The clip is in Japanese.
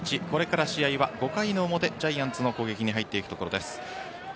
これから試合は５回の表ジャイアンツの攻撃に入っていくところです。